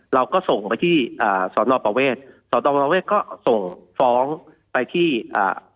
เราก็ส่งไปที่อ่าสอนอประเวทสอนอเวศก็ส่งฟ้องไปที่อ่า